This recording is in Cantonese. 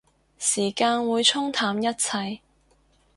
時間會沖淡一切